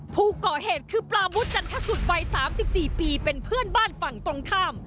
ผู้ก่อเหตุคือปลามุดจันทสุทธิวัย๓๔ปีเป็นเพื่อนบ้านฝั่งตรงข้าม